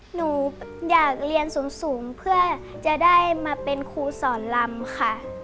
หนูอยากเรียนสูงเพื่อจะได้มาเป็นครูสอนลำค่ะ